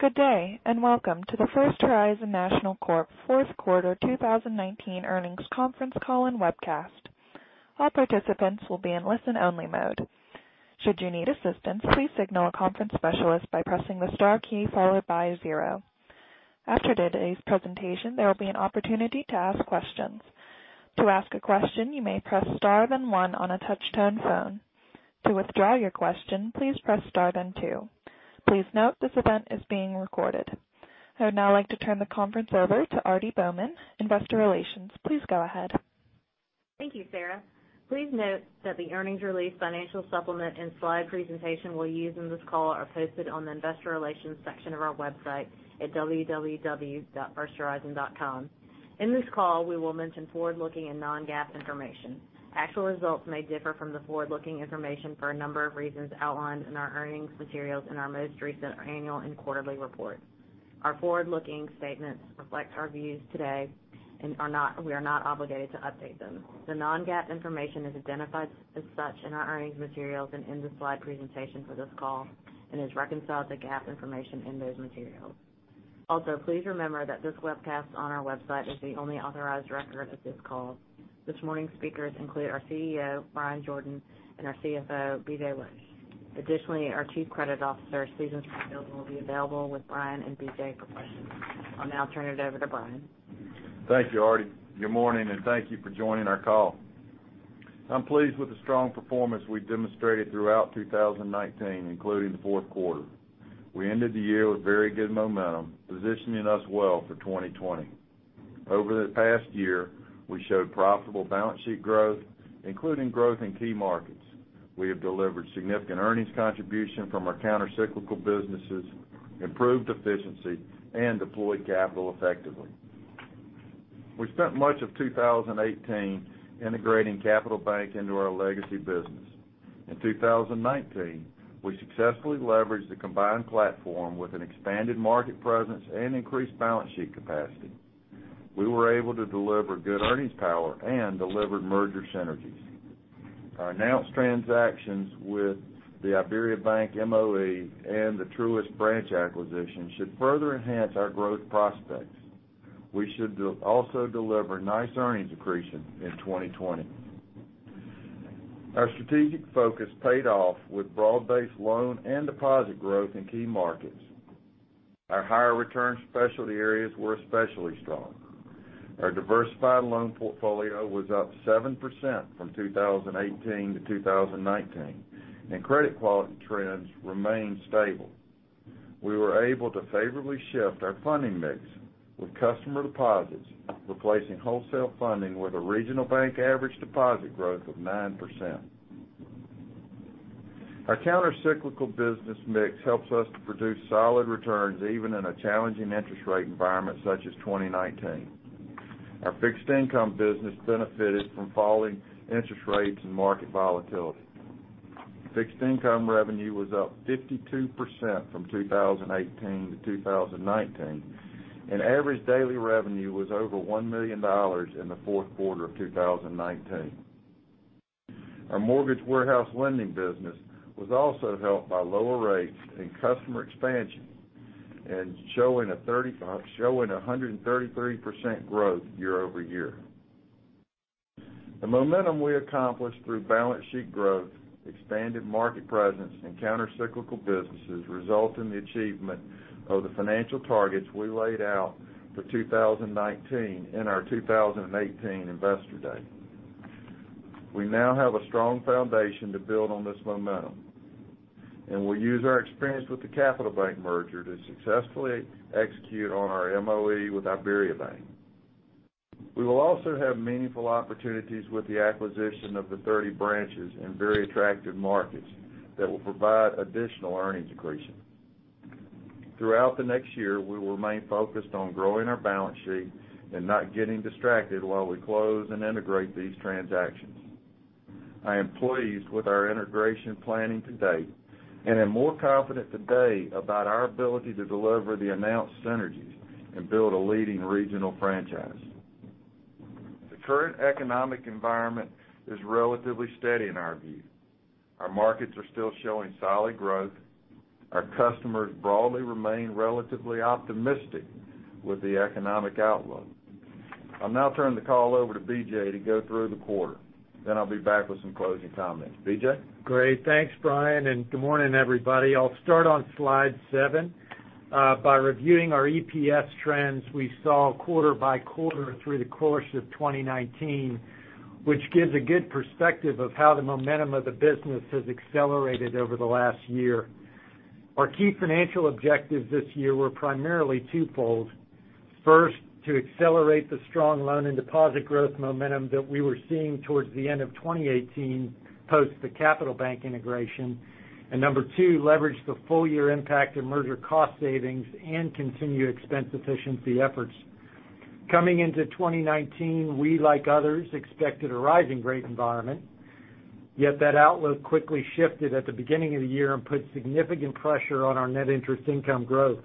Good day, welcome to the First Horizon National Corp fourth quarter 2019 earnings conference call and webcast. All participants will be in listen-only mode. Should you need assistance, please signal a conference specialist by pressing the star key followed by a 0. After today's presentation, there will be an opportunity to ask questions. To ask a question, you may press star then 1 on a touch-tone phone. To withdraw your question, please press star then 2. Please note, this event is being recorded. I would now like to turn the conference over to Aarti Bowman, investor relations. Please go ahead. Thank you, Sarah. Please note that the earnings release financial supplement and slide presentation we'll use in this call are posted on the Investor Relations section of our website at www.firsthorizon.com. In this call, we will mention forward-looking and non-GAAP information. Actual results may differ from the forward-looking information for a number of reasons outlined in our earnings materials and our most recent annual and quarterly reports. Our forward-looking statements reflect our views today, and we are not obligated to update them. The non-GAAP information is identified as such in our earnings materials and in the slide presentation for this call and is reconciled to GAAP information in those materials. Also, please remember that this webcast on our website is the only authorized record of this call. This morning's speakers include our CEO, Bryan Jordan, and our CFO, BJ Lynch. Additionally, our Chief Credit Officer, Susan Springfield, will be available with Bryan and BJ for questions. I'll now turn it over to Bryan. Thank you, Aarti. Good morning, and thank you for joining our call. I'm pleased with the strong performance we've demonstrated throughout 2019, including the fourth quarter. We ended the year with very good momentum, positioning us well for 2020. Over the past year, we showed profitable balance sheet growth, including growth in key markets. We have delivered significant earnings contribution from our counter-cyclical businesses, improved efficiency, and deployed capital effectively. We spent much of 2018 integrating Capital Bank into our legacy business. In 2019, we successfully leveraged the combined platform with an expanded market presence and increased balance sheet capacity. We were able to deliver good earnings power and delivered merger synergies. Our announced transactions with the IBERIABANK MOE and the Truist branch acquisition should further enhance our growth prospects. We should also deliver nice earnings accretion in 2020. Our strategic focus paid off with broad-based loan and deposit growth in key markets. Our higher return specialty areas were especially strong. Our diversified loan portfolio was up 7% from 2018 to 2019, and credit quality trends remained stable. We were able to favorably shift our funding mix with customer deposits, replacing wholesale funding with a regional bank average deposit growth of 9%. Our counter-cyclical business mix helps us to produce solid returns even in a challenging interest rate environment such as 2019. Our fixed income business benefited from falling interest rates and market volatility. fixed income revenue was up 52% from 2018 to 2019, and average daily revenue was over $1 million in the fourth quarter of 2019. Our mortgage warehouse lending business was also helped by lower rates and customer expansion and showing 133% growth year-over-year. The momentum we accomplished through balance sheet growth, expanded market presence, and counter-cyclical businesses result in the achievement of the financial targets we laid out for 2019 in our 2018 investor day. We now have a strong foundation to build on this momentum, and we'll use our experience with the Capital Bank merger to successfully execute on our MOE with IBERIABANK. We will also have meaningful opportunities with the acquisition of the 30 branches in very attractive markets that will provide additional earnings accretion. Throughout the next year, we will remain focused on growing our balance sheet and not getting distracted while we close and integrate these transactions. I am pleased with our integration planning to date and am more confident today about our ability to deliver the announced synergies and build a leading regional franchise. The current economic environment is relatively steady in our view. Our markets are still showing solid growth. Our customers broadly remain relatively optimistic with the economic outlook. I'll now turn the call over to BJ to go through the quarter, then I'll be back with some closing comments. BJ? Great. Thanks, Bryan. Good morning, everybody. I'll start on slide seven by reviewing our EPS trends we saw quarter by quarter through the course of 2019, which gives a good perspective of how the momentum of the business has accelerated over the last year. Our key financial objectives this year were primarily twofold. First, to accelerate the strong loan and deposit growth momentum that we were seeing towards the end of 2018 post the Capital Bank integration. Number two, leverage the full year impact of merger cost savings and continue expense efficiency efforts. Coming into 2019, we, like others, expected a rising rate environment. That outlook quickly shifted at the beginning of the year and put significant pressure on our net interest income growth.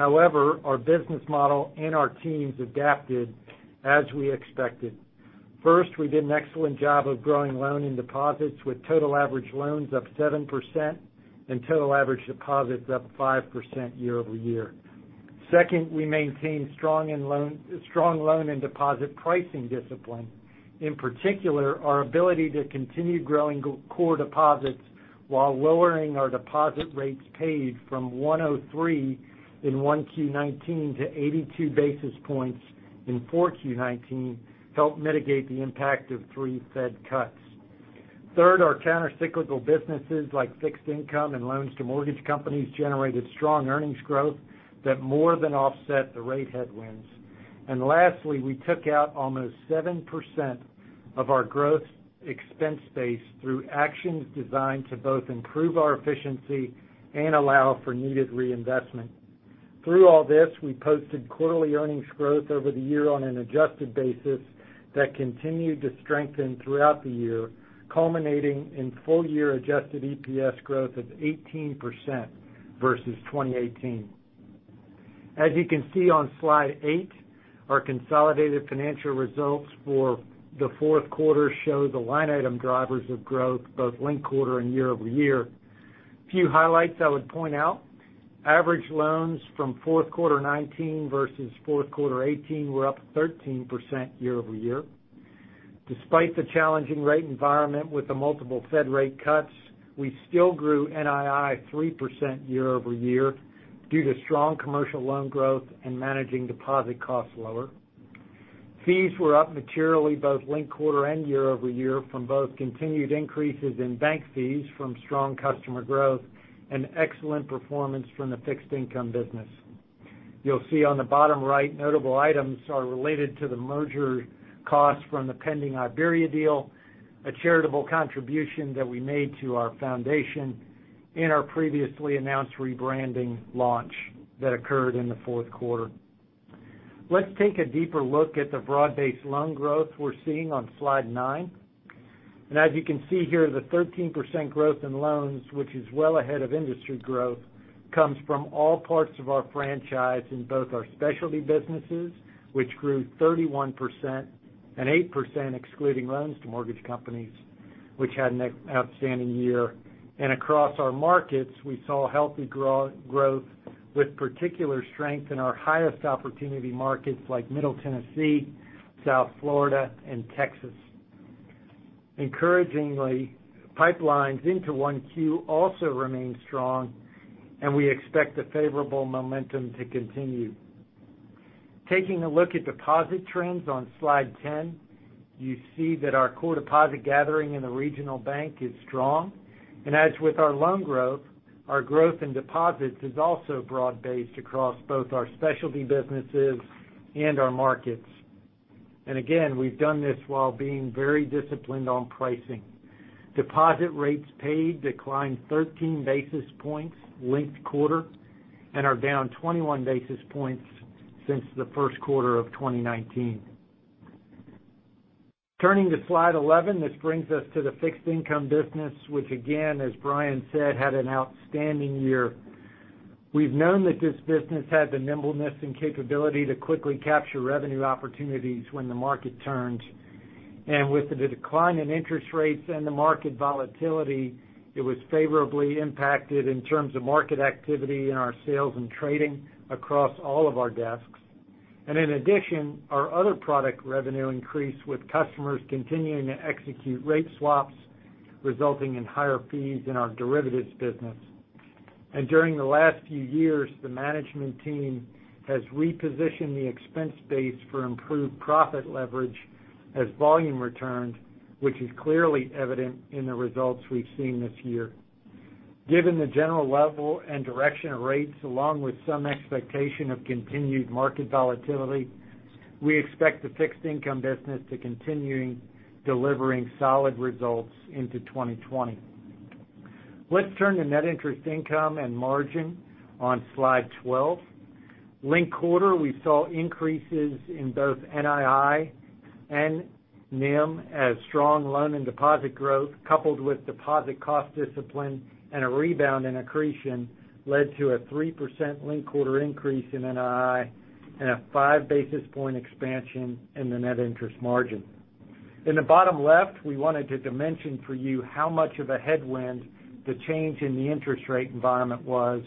However, our business model and our teams adapted as we expected. We did an excellent job of growing loan and deposits, with total average loans up 7% and total average deposits up 5% year-over-year. We maintained strong loan and deposit pricing discipline. In particular, our ability to continue growing core deposits while lowering our deposit rates paid from 103 in 1Q19 to 82 basis points in 4Q19 helped mitigate the impact of three Fed cuts. Our countercyclical businesses, like fixed income and loans to mortgage companies, generated strong earnings growth that more than offset the rate headwinds. Lastly, we took out almost 7% of our growth expense base through actions designed to both improve our efficiency and allow for needed reinvestment. Through all this, we posted quarterly earnings growth over the year on an adjusted basis that continued to strengthen throughout the year, culminating in full year adjusted EPS growth of 18% versus 2018. As you can see on slide eight, our consolidated financial results for the fourth quarter show the line item drivers of growth both linked quarter and year-over-year. Few highlights I would point out, average loans from fourth quarter 2019 versus fourth quarter 2018 were up 13% year-over-year. Despite the challenging rate environment with the multiple Fed rate cuts, we still grew NII 3% year-over-year due to strong commercial loan growth and managing deposit costs lower. Fees were up materially, both linked quarter and year-over-year from both continued increases in bank fees from strong customer growth and excellent performance from the fixed income business. You'll see on the bottom right, notable items are related to the merger costs from the pending Iberia deal, a charitable contribution that we made to our foundation and our previously announced rebranding launch that occurred in the fourth quarter. Let's take a deeper look at the broad-based loan growth we're seeing on slide nine. As you can see here, the 13% growth in loans, which is well ahead of industry growth, comes from all parts of our franchise in both our specialty businesses, which grew 31%, and 8%, excluding loans to mortgage companies, which had an outstanding year. Across our markets, we saw healthy growth with particular strength in our highest opportunity markets like Middle Tennessee, South Florida, and Texas. Encouragingly, pipelines into 1Q also remain strong, and we expect the favorable momentum to continue. Taking a look at deposit trends on slide 10, you see that our core deposit gathering in the regional bank is strong. As with our loan growth, our growth in deposits is also broad-based across both our specialty businesses and our markets. Again, we've done this while being very disciplined on pricing. Deposit rates paid declined 13 basis points linked quarter and are down 21 basis points since the first quarter of 2019. Turning to slide 11, this brings us to the fixed income business, which again, as Bryan said, had an outstanding year. We've known that this business had the nimbleness and capability to quickly capture revenue opportunities when the market turned. With the decline in interest rates and the market volatility, it was favorably impacted in terms of market activity in our sales and trading across all of our desks. In addition, our other product revenue increased with customers continuing to execute rate swaps, resulting in higher fees in our derivatives business. During the last few years, the management team has repositioned the expense base for improved profit leverage as volume returned, which is clearly evident in the results we've seen this year. Given the general level and direction of rates, along with some expectation of continued market volatility, we expect the fixed income business to continue delivering solid results into 2020. Let's turn to net interest income and margin on slide 12. Linked quarter, we saw increases in both NII and NIM as strong loan and deposit growth, coupled with deposit cost discipline and a rebound in accretion led to a 3% linked quarter increase in NII and a five basis point expansion in the net interest margin. In the bottom left, we wanted to mention for you how much of a headwind the change in the interest rate environment was,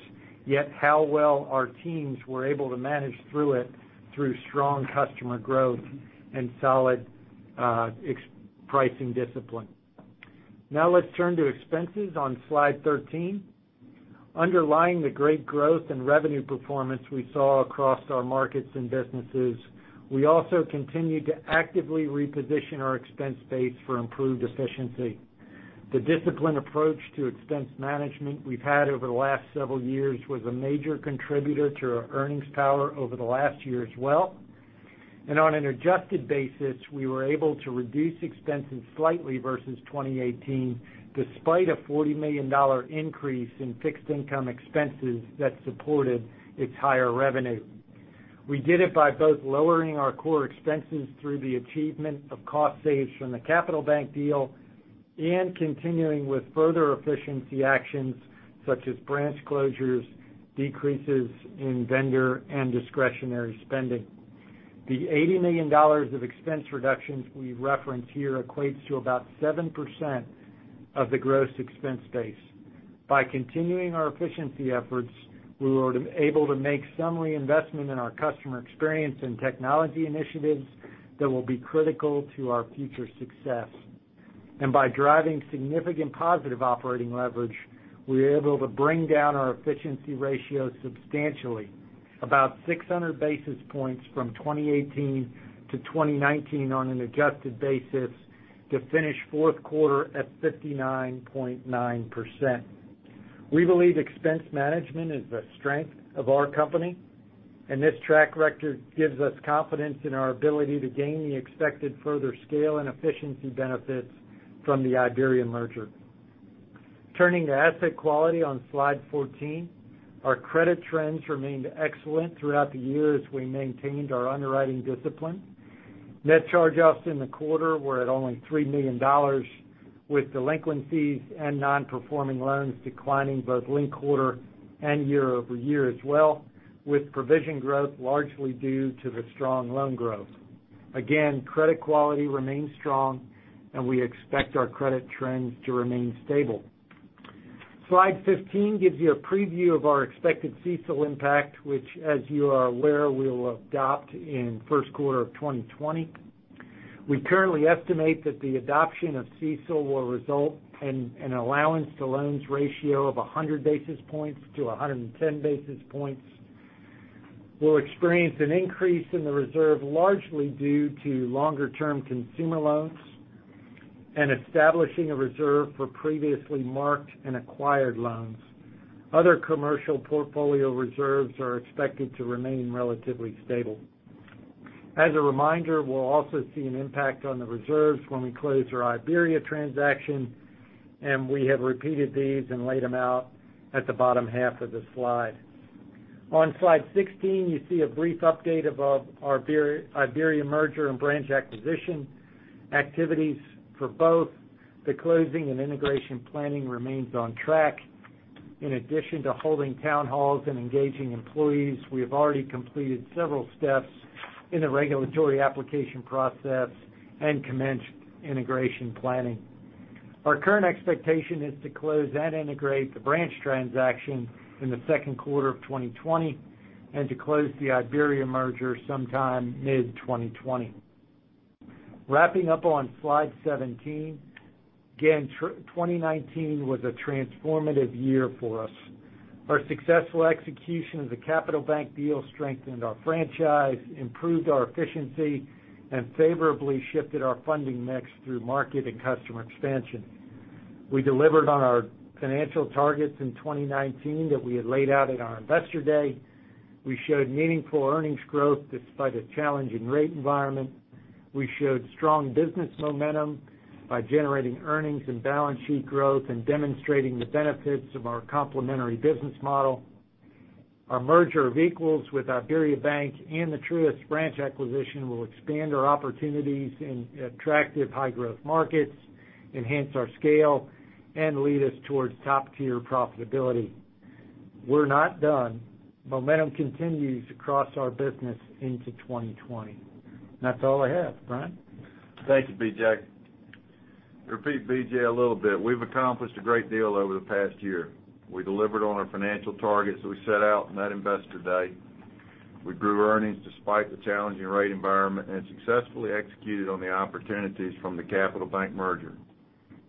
yet how well our teams were able to manage through it through strong customer growth and solid pricing discipline. Now let's turn to expenses on slide 13. Underlying the great growth and revenue performance we saw across our markets and businesses, we also continued to actively reposition our expense base for improved efficiency. The disciplined approach to expense management we've had over the last several years was a major contributor to our earnings power over the last year as well. On an adjusted basis, we were able to reduce expenses slightly versus 2018, despite a $40 million increase in fixed income expenses that supported its higher revenue. We did it by both lowering our core expenses through the achievement of cost saves from the Capital Bank deal and continuing with further efficiency actions such as branch closures, decreases in vendor, and discretionary spending. The $80 million of expense reductions we reference here equates to about 7% of the gross expense base. By continuing our efficiency efforts, we were able to make some reinvestment in our customer experience and technology initiatives that will be critical to our future success. By driving significant positive operating leverage, we were able to bring down our efficiency ratio substantially, about 600 basis points from 2018 to 2019 on an adjusted basis to finish fourth quarter at 59.9%. We believe expense management is the strength of our company. This track record gives us confidence in our ability to gain the expected further scale and efficiency benefits from the IBERIABANK merger. Turning to asset quality on slide 14, our credit trends remained excellent throughout the year as we maintained our underwriting discipline. Net charge-offs in the quarter were at only $3 million, with delinquencies and non-performing loans declining both linked quarter and year-over-year as well, with provision growth largely due to the strong loan growth. Credit quality remains strong. We expect our credit trends to remain stable. Slide 15 gives you a preview of our expected CECL impact, which, as you are aware, we will adopt in the first quarter of 2020. We currently estimate that the adoption of CECL will result in an allowance to loans ratio of 100 basis points to 110 basis points. We'll experience an increase in the reserve largely due to longer-term consumer loans and establishing a reserve for previously marked and acquired loans. Other commercial portfolio reserves are expected to remain relatively stable. As a reminder, we'll also see an impact on the reserves when we close our Iberia transaction, and we have repeated these and laid them out at the bottom half of the slide. On slide 16, you see a brief update of our Iberia merger and branch acquisition activities for both. The closing and integration planning remains on track. In addition to holding town halls and engaging employees, we have already completed several steps in the regulatory application process and commenced integration planning. Our current expectation is to close and integrate the branch transaction in the second quarter of 2020 and to close the Iberia merger sometime mid-2020. Wrapping up on slide 17. Again, 2019 was a transformative year for us. Our successful execution of the Capital Bank deal strengthened our franchise, improved our efficiency, and favorably shifted our funding mix through market and customer expansion. We delivered on our financial targets in 2019 that we had laid out at our Investor Day. We showed meaningful earnings growth despite a challenging rate environment. We showed strong business momentum by generating earnings and balance sheet growth and demonstrating the benefits of our complementary business model. Our merger of equals with IBERIABANK and the Truist branch acquisition will expand our opportunities in attractive high-growth markets, enhance our scale, and lead us towards top-tier profitability. We're not done. Momentum continues across our business into 2020. That's all I have. Bryan? Thank you, BJ. To repeat BJ a little bit, we've accomplished a great deal over the past year. We delivered on our financial targets that we set out in that Investor Day. We grew earnings despite the challenging rate environment and successfully executed on the opportunities from the Capital Bank merger.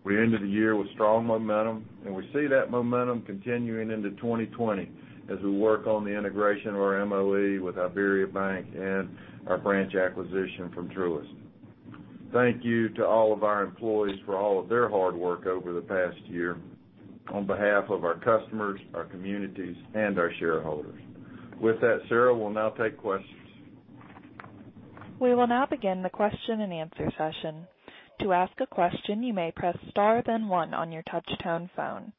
We ended the year with strong momentum, and we see that momentum continuing into 2020 as we work on the integration of our MOE with IBERIABANK and our branch acquisition from Truist. Thank you to all of our employees for all of their hard work over the past year on behalf of our customers, our communities, and our shareholders. With that, Sarah, we'll now take questions. We will now begin the question and answer session. To ask a question, you may press star then one on your touch-tone phone.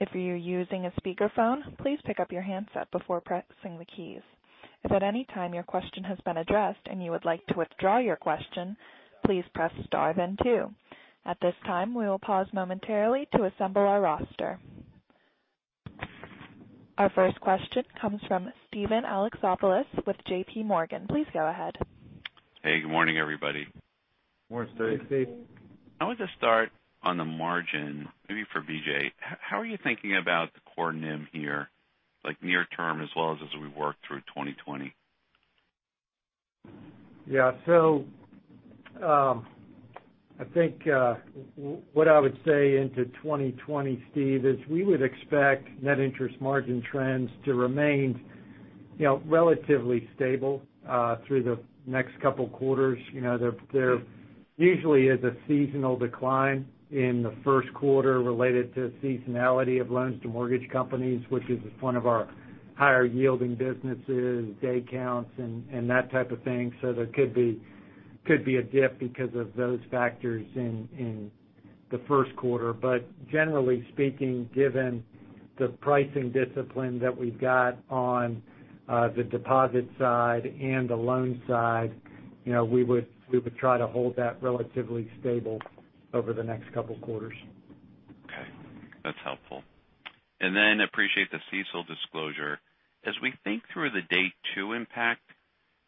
If you're using a speakerphone, please pick up your handset before pressing the keys. If at any time your question has been addressed and you would like to withdraw your question, please press star then two. At this time, we will pause momentarily to assemble our roster. Our first question comes from Steven Alexopoulos with JPMorgan. Please go ahead. Hey, good morning, everybody. Morning, Steve. I want to start on the margin, maybe for BJ. How are you thinking about the core NIM here, near term, as well as as we work through 2020? I think what I would say into 2020, Steve, is we would expect net interest margin trends to remain relatively stable through the next couple quarters. There usually is a seasonal decline in the first quarter related to seasonality of loans to mortgage companies, which is one of our higher-yielding businesses, day counts, and that type of thing. There could be a dip because of those factors in the first quarter. Generally speaking, given the pricing discipline that we've got on the deposit side and the loan side, we would try to hold that relatively stable over the next couple of quarters. Okay. That's helpful. Appreciate the CECL disclosure. As we think through the Day 2 impact,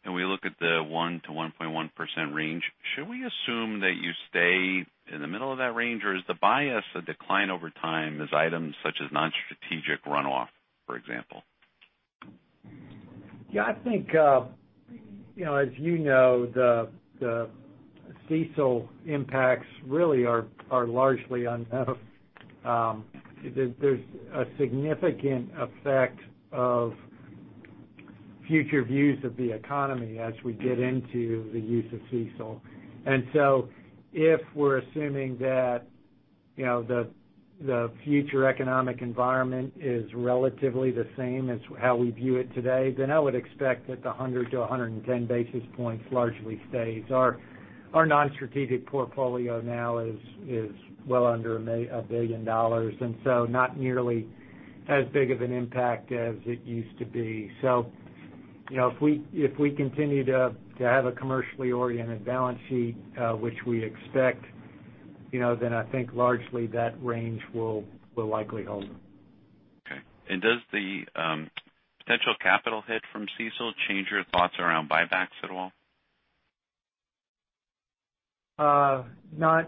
we look at the 1%-1.1% range, should we assume that you stay in the middle of that range, or is the bias a decline over time as items such as non-strategic runoff, for example? Yeah, I think, as you know, the CECL impacts really are largely unknown. There's a significant effect of future views of the economy as we get into the use of CECL. If we're assuming that the future economic environment is relatively the same as how we view it today, then I would expect that the 100-110 basis points largely stays. Our non-strategic portfolio now is well under $1 billion, not nearly as big of an impact as it used to be. If we continue to have a commercially oriented balance sheet, which we expect, then I think largely that range will likely hold. Okay. Does the potential capital hit from CECL change your thoughts around buybacks at all? Not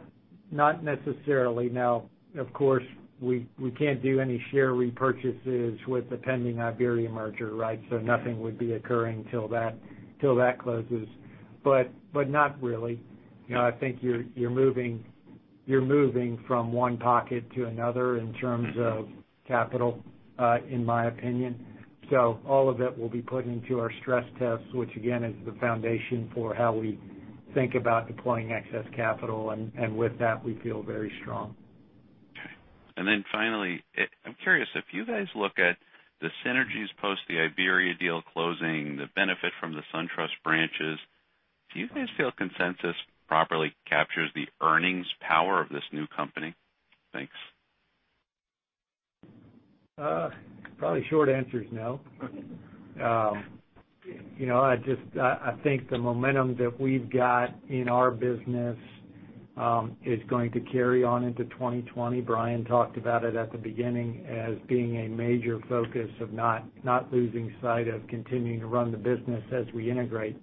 necessarily. Now, of course, we can't do any share repurchases with the pending IBERIABANK merger, right? Nothing would be occurring till that closes. Not really. I think you're moving from one pocket to another in terms of capital, in my opinion. All of it will be put into our stress test, which again, is the foundation for how we think about deploying excess capital. With that, we feel very strong. Okay. Finally, I'm curious if you guys look at the synergies post the Iberia deal closing, the benefit from the Truist branches, do you guys feel consensus properly captures the earnings power of this new company? Thanks. Probably short answer is no. I think the momentum that we've got in our business is going to carry on into 2020. Bryan talked about it at the beginning as being a major focus of not losing sight of continuing to run the business as we integrate.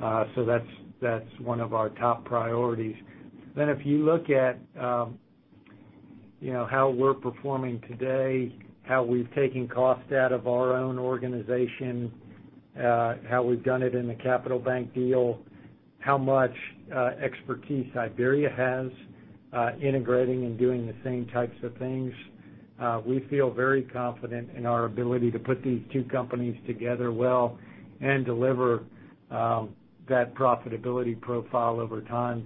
That's one of our top priorities. If you look at how we're performing today, how we've taken cost out of our own organization, how we've done it in the Capital Bank deal, how much expertise IBERIABANK has integrating and doing the same types of things, we feel very confident in our ability to put these two companies together well and deliver that profitability profile over time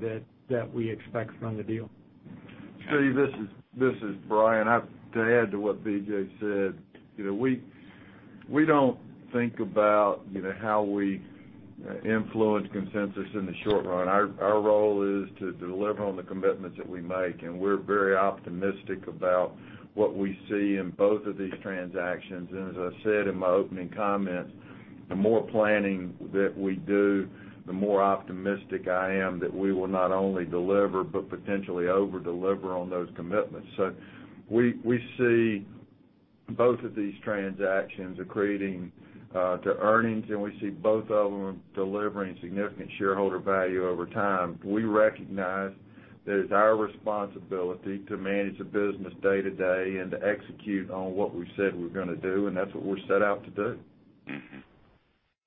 that we expect from the deal. Steven, this is Bryan. To add to what BJ said, we don't think about how we influence consensus in the short run. Our role is to deliver on the commitments that we make, we're very optimistic about what we see in both of these transactions. As I said in my opening comments, the more planning that we do, the more optimistic I am that we will not only deliver, but potentially over-deliver on those commitments. We see both of these transactions accreting to earnings, we see both of them delivering significant shareholder value over time. We recognize that it's our responsibility to manage the business day to day and to execute on what we said we're going to do, that's what we're set out to do.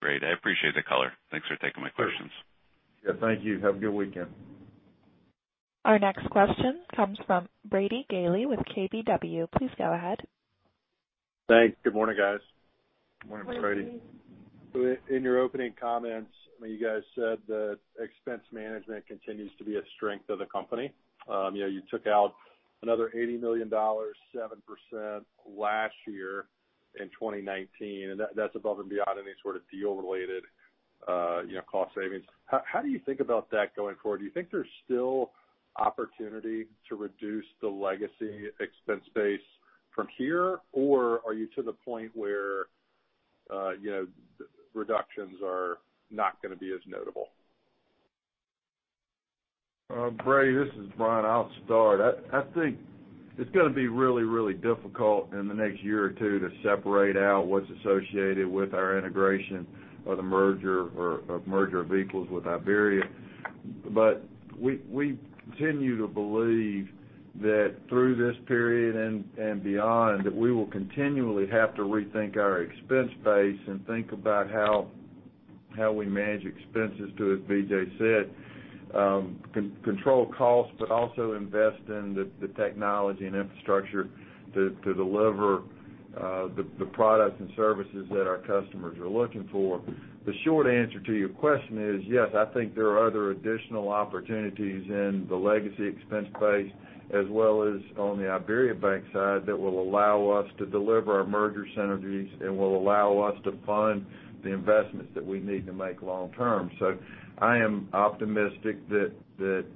Great. I appreciate the color. Thanks for taking my questions. Sure. Yeah, thank you. Have a good weekend. Our next question comes from Brady Gailey with KBW. Please go ahead. Thanks. Good morning, guys. Morning, Brady. In your opening comments, you guys said that expense management continues to be a strength of the company. You took out another $80 million, 7% last year in 2019, and that's above and beyond any sort of deal related cost savings. How do you think about that going forward? Do you think there's still opportunity to reduce the legacy expense base from here? Or are you to the point where reductions are not going to be as notable? Brady, this is Bryan. I'll start. I think it's going to be really difficult in the next year or two to separate out what's associated with our integration of the merger of equals with Iberia. We continue to believe that through this period and beyond, that we will continually have to rethink our expense base and think about how we manage expenses to, as BJ said, control cost, but also invest in the technology and infrastructure to deliver the products and services that our customers are looking for. The short answer to your question is, yes, I think there are other additional opportunities in the legacy expense base, as well as on the Iberia Bank side that will allow us to deliver our merger synergies and will allow us to fund the investments that we need to make long term. I am optimistic that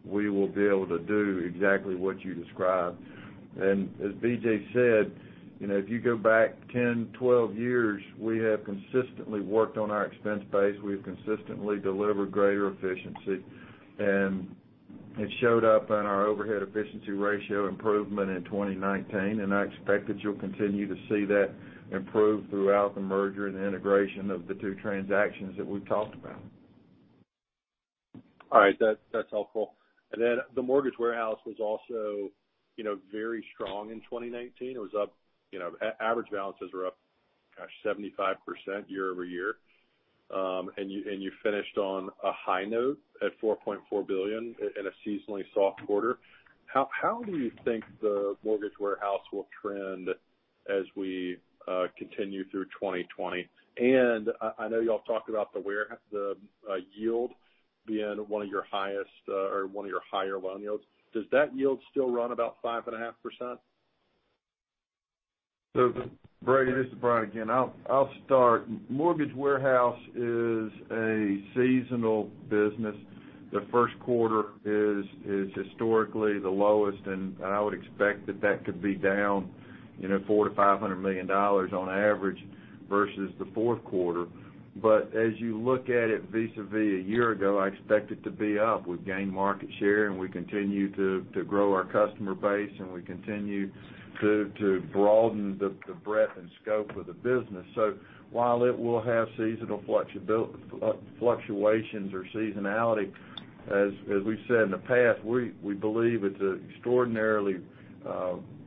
we will be able to do exactly what you described. As BJ said, if you go back 10, 12 years, we have consistently worked on our expense base. We've consistently delivered greater efficiency, and it showed up in our overhead efficiency ratio improvement in 2019, and I expect that you'll continue to see that improve throughout the merger and integration of the two transactions that we've talked about. All right. That's helpful. The mortgage warehouse was also very strong in 2019. Average balances were up, gosh, 75% year-over-year. You finished on a high note at $4.4 billion in a seasonally soft quarter. How do you think the mortgage warehouse will trend as we continue through 2020? I know y'all talked about the yield being one of your higher loan yields. Does that yield still run about 5.5%? Brady, this is Bryan again. I'll start. mortgage warehouse is a seasonal business. The first quarter is historically the lowest, and I would expect that that could be down $400 million-$500 million on average versus the fourth quarter. As you look at it vis-a-vis a year ago, I expect it to be up. We've gained market share, and we continue to grow our customer base, and we continue to broaden the breadth and scope of the business. While it will have fluctuations or seasonality, as we've said in the past, we believe it's an extraordinarily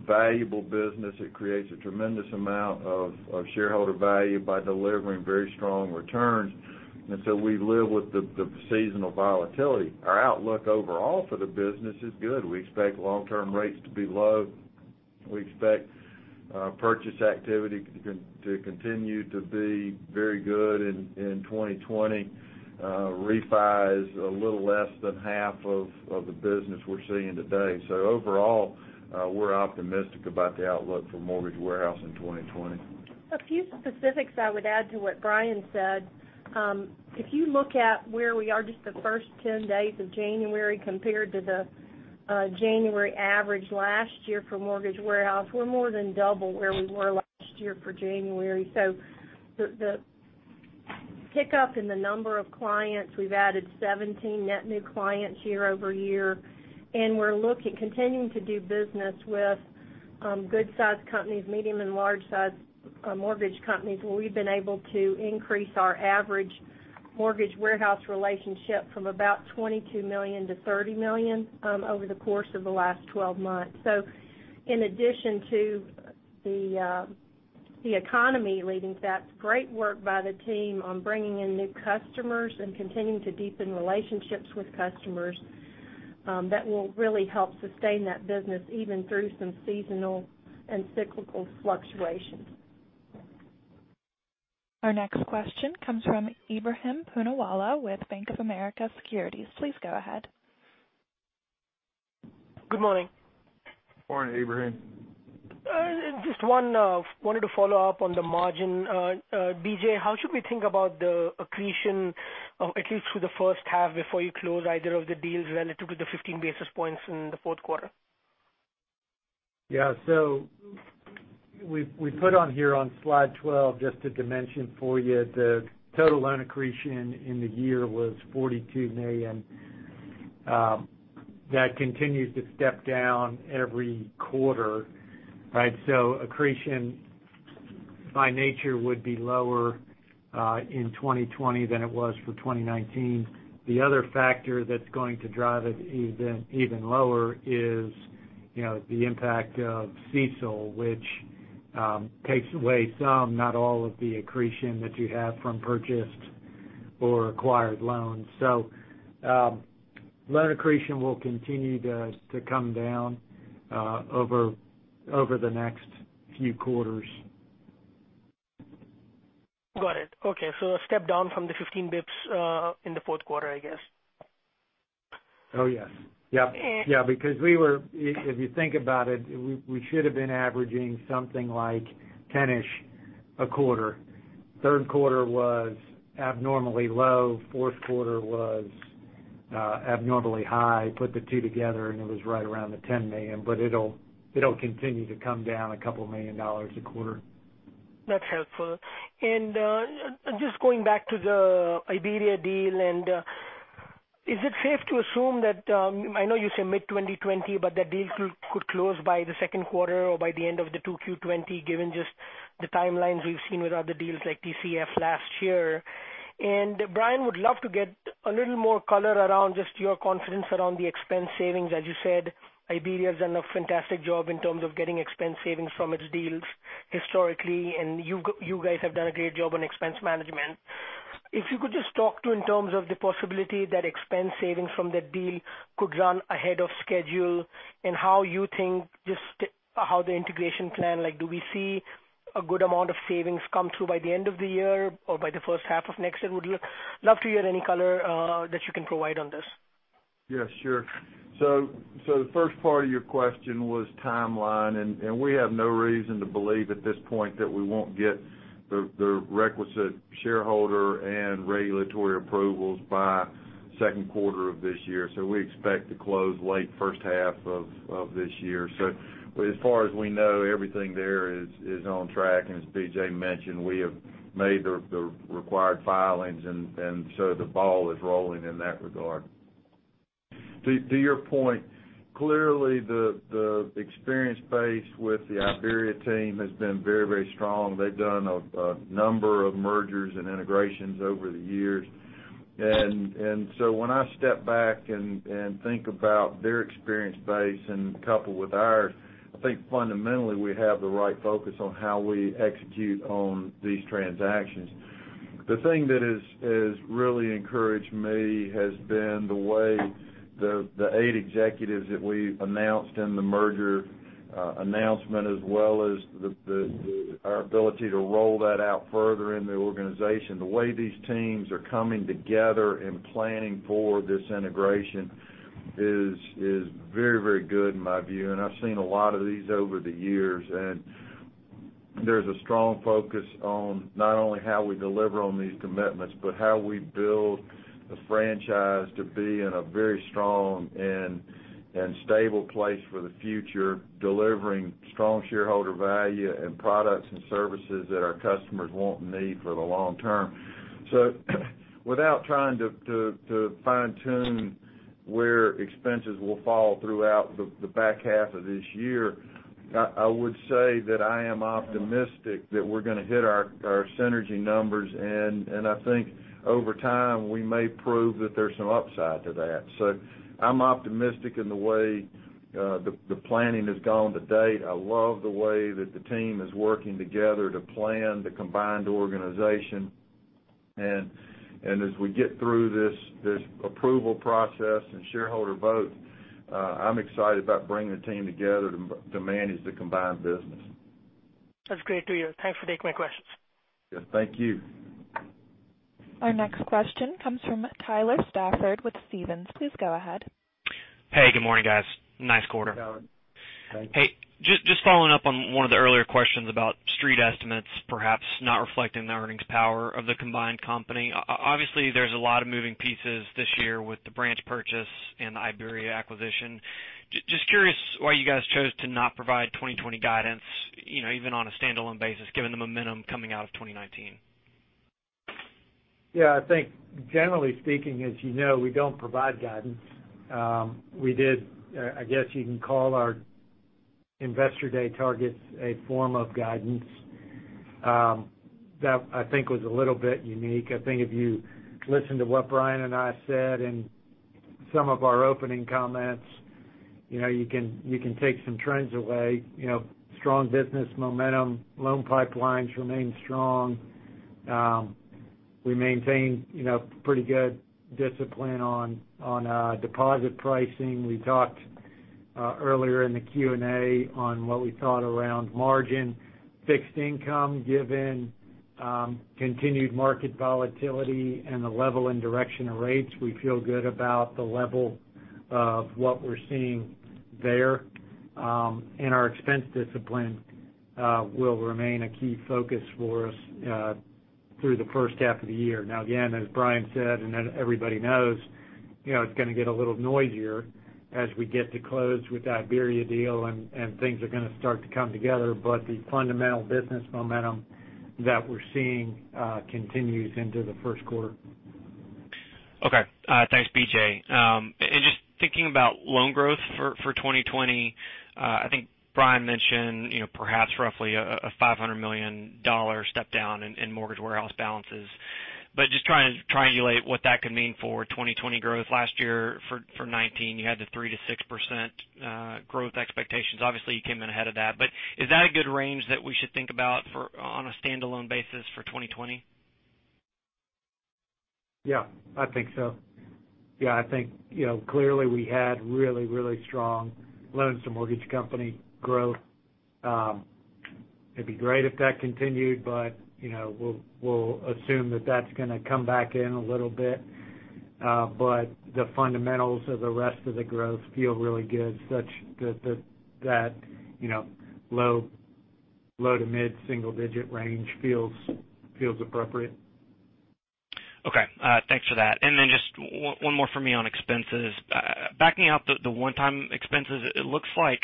valuable business. It creates a tremendous amount of shareholder value by delivering very strong returns. We live with the seasonal volatility. Our outlook overall for the business is good. We expect long-term rates to be low. We expect purchase activity to continue to be very good in 2020. Refi is a little less than half of the business we're seeing today. Overall, we're optimistic about the outlook for mortgage warehouse in 2020. A few specifics I would add to what Bryan said. If you look at where we are, just the first 10 days of January compared to the January average last year for mortgage warehouse, we're more than double where we were last year for January. The pickup in the number of clients, we've added 17 net new clients year-over-year, and we're continuing to do business with good size companies, medium and large size mortgage companies, where we've been able to increase our average mortgage warehouse relationship from about $22 million to $30 million over the course of the last 12 months. In addition to the economy leading that, great work by the team on bringing in new customers and continuing to deepen relationships with customers. That will really help sustain that business even through some seasonal and cyclical fluctuations. Our next question comes from Ebrahim Poonawala with Bank of America Securities. Please go ahead. Good morning. Morning, Ebrahim. Just wanted to follow up on the margin. BJ, how should we think about the accretion, at least through the first half, before you close either of the deals, relative to the 15 basis points in the fourth quarter? Yeah. We put on here on slide 12, just to dimension for you, the total loan accretion in the year was $42 million. That continues to step down every quarter. Accretion, by nature, would be lower in 2020 than it was for 2019. The other factor that's going to drive it even lower is the impact of CECL, which takes away some, not all of the accretion that you have from purchased or acquired loans. Loan accretion will continue to come down over the next few quarters. Got it. Okay. A step down from the 15 basis points in the fourth quarter, I guess. Oh, yes. If you think about it, we should have been averaging something like ten-ish a quarter. Third quarter was abnormally low. Fourth quarter was abnormally high. Put the two together and it was right around the $10 million, but it'll continue to come down a couple million dollars a quarter. That's helpful. Just going back to the IBERIABANK deal, is it safe to assume that, I know you said mid-2020, but that deal could close by the second quarter or by the end of the 2Q20, given just the timelines we've seen with other deals like TCF last year. Bryan, would love to get a little more color around just your confidence around the expense savings. As you said, IBERIABANK has done a fantastic job in terms of getting expense savings from its deals historically, and you guys have done a great job on expense management. If you could just talk to in terms of the possibility that expense savings from that deal could run ahead of schedule and just how the integration plan, do we see a good amount of savings come through by the end of the year or by the first half of next year? Would love to hear any color that you can provide on this. Yes, sure. The first part of your question was timeline, and we have no reason to believe at this point that we won't get the requisite shareholder and regulatory approvals by second quarter of this year. We expect to close late first half of this year. As far as we know, everything there is on track. As BJ mentioned, we have made the required filings, and so the ball is rolling in that regard. To your point, clearly the experience base with the IBERIABANK team has been very strong. They've done a number of mergers and integrations over the years. When I step back and think about their experience base and couple with ours, I think fundamentally we have the right focus on how we execute on these transactions. The thing that has really encouraged me has been the way the eight executives that we announced in the merger announcement, as well as our ability to roll that out further in the organization. The way these teams are coming together and planning for this integration is very good in my view. I've seen a lot of these over the years, and there's a strong focus on not only how we deliver on these commitments, but how we build the franchise to be in a very strong and stable place for the future, delivering strong shareholder value and products and services that our customers want and need for the long term. Without trying to fine-tune where expenses will fall throughout the back half of this year, I would say that I am optimistic that we're going to hit our synergy numbers. I think over time, we may prove that there's some upside to that. I'm optimistic in the way the planning has gone to date. I love the way that the team is working together to plan the combined organization. As we get through this approval process and shareholder vote, I'm excited about bringing the team together to manage the combined business. That's great to hear. Thanks for taking my questions. Yes, thank you. Our next question comes from Tyler Stafford with Stephens. Please go ahead. Hey, good morning, guys. Nice quarter. Thanks. Just following up on one of the earlier questions about street estimates perhaps not reflecting the earnings power of the combined company. Obviously, there's a lot of moving pieces this year with the branch purchase and the Iberia acquisition. Just curious why you guys chose to not provide 2020 guidance, even on a standalone basis, given the momentum coming out of 2019? Yeah, I think generally speaking, as you know, we don't provide guidance. We, I guess you can call our investor day targets a form of guidance. That, I think, was a little bit unique. I think if you listen to what Bryan and I said in some of our opening comments, you can take some trends away. Strong business momentum, loan pipelines remain strong. We maintain pretty good discipline on deposit pricing. We talked earlier in the Q&A on what we thought around margin, fixed income, given continued market volatility and the level and direction of rates. We feel good about the level of what we're seeing there. Our expense discipline will remain a key focus for us through the first half of the year. Now, again, as Bryan said, and as everybody knows, it's going to get a little noisier as we get to close with the Iberia deal, and things are going to start to come together. The fundamental business momentum that we're seeing continues into the first quarter. Okay. Thanks, BJ. Just thinking about loan growth for 2020, I think Bryan mentioned perhaps roughly a $500 million step down in mortgage warehouse balances. Just trying to triangulate what that could mean for 2020 growth. Last year, for 2019, you had the 3%-6% growth expectations. Obviously, you came in ahead of that. Is that a good range that we should think about on a standalone basis for 2020? Yeah, I think so. Yeah, I think clearly we had really strong loans to mortgage company growth. It'd be great if that continued, but we'll assume that that's going to come back in a little bit. The fundamentals of the rest of the growth feel really good, such that low to mid-single digit range feels appropriate. Okay. Thanks for that. Then just one more for me on expenses. Backing out the one-time expenses, it looks like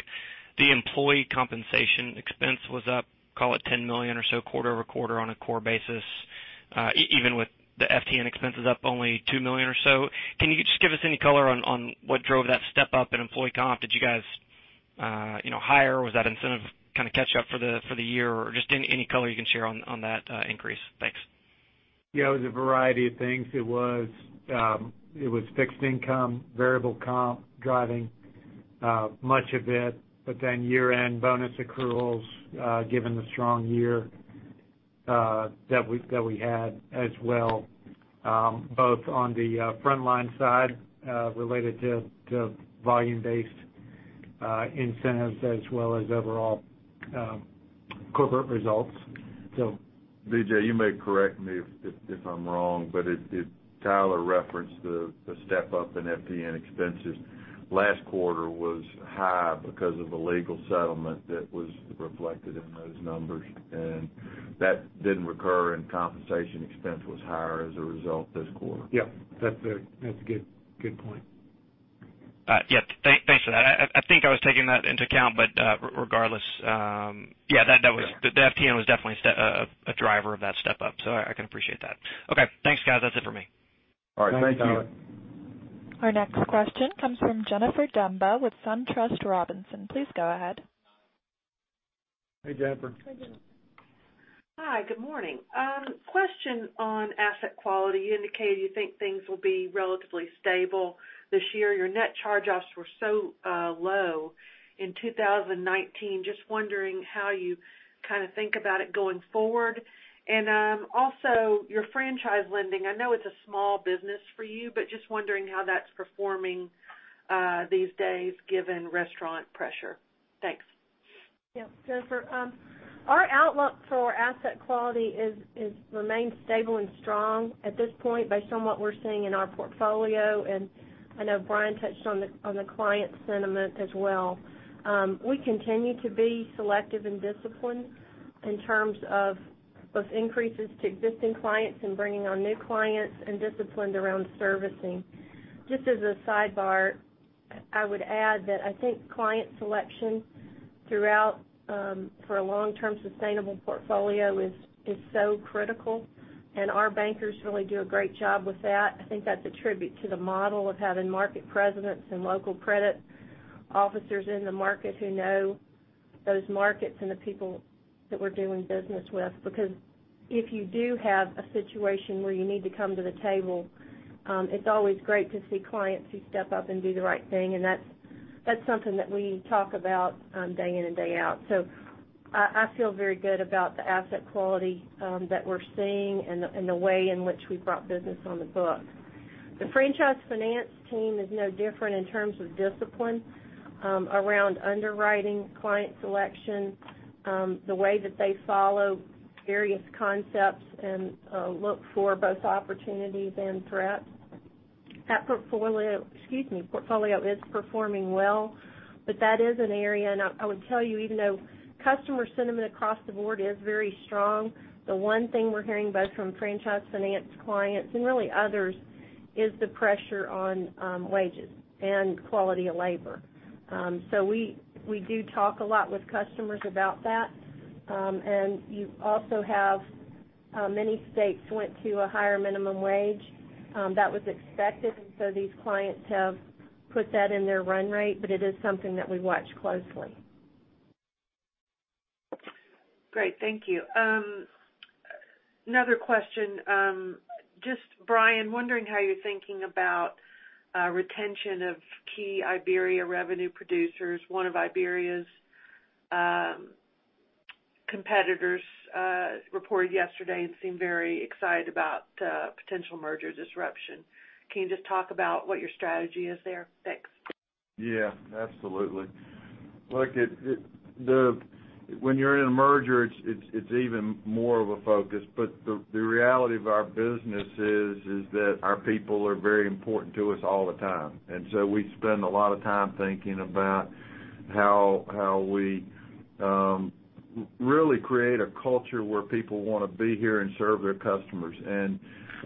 the employee compensation expense was up, call it $10 million or so quarter-over-quarter on a core basis, even with the FTN expenses up only $2 million or so. Can you just give us any color on what drove that step up in employee comp? Did you guys hire, was that incentive kind of catch up for the year? Just any color you can share on that increase. Thanks. It was a variety of things. It was fixed income, variable comp driving much of it. Year-end bonus accruals given the strong year that we had as well, both on the frontline side related to volume-based-incentives as well as overall corporate results. BJ, you may correct me if I'm wrong, but Tyler referenced the step up in FTN expenses. Last quarter was high because of a legal settlement that was reflected in those numbers, and that didn't recur, and compensation expense was higher as a result this quarter. Yes. That's a good point. Yes. Thanks for that. I think I was taking that into account, but regardless, yeah, the FTN was definitely a driver of that step up, so I can appreciate that. Okay, thanks guys. That's it for me. All right. Thank you. Thanks, Tyler. Our next question comes from Jennifer Demba with SunTrust Robinson Humphrey. Please go ahead. Hey, Jennifer. Hi, good morning. Question on asset quality. You indicated you think things will be relatively stable this year. Your net charge-offs were so low in 2019. Just wondering how you kind of think about it going forward. Also your franchise lending. I know it's a small business for you, but just wondering how that's performing these days, given restaurant pressure. Thanks. Yes, Jennifer. Our outlook for asset quality remains stable and strong at this point based on what we're seeing in our portfolio, and I know Bryan touched on the client sentiment as well. We continue to be selective and disciplined in terms of both increases to existing clients and bringing on new clients, and disciplined around servicing. Just as a sidebar, I would add that I think client selection throughout, for a long-term sustainable portfolio is so critical, and our bankers really do a great job with that. I think that's a tribute to the model of having market presidents and local credit officers in the market who know those markets and the people that we're doing business with. If you do have a situation where you need to come to the table, it's always great to see clients who step up and do the right thing. That's something that we talk about day in and day out. I feel very good about the asset quality that we're seeing and the way in which we brought business on the books. The franchise finance team is no different in terms of discipline around underwriting, client selection, the way that they follow various concepts and look for both opportunities and threats. That portfolio is performing well. That is an area, and I would tell you, even though customer sentiment across the board is very strong, the one thing we're hearing both from franchise finance clients and really others, is the pressure on wages and quality of labor. We do talk a lot with customers about that. You also have many states went to a higher minimum wage. That was expected, and so these clients have put that in their run rate, but it is something that we watch closely. Great. Thank you. Another question. Just Bryan, wondering how you're thinking about retention of key Iberia revenue producers. One of Iberia's competitors reported yesterday and seemed very excited about potential merger disruption. Can you just talk about what your strategy is there? Thanks. Yeah, absolutely. Look, when you're in a merger, it's even more of a focus. The reality of our business is that our people are very important to us all the time. We spend a lot of time thinking about how we really create a culture where people want to be here and serve their customers.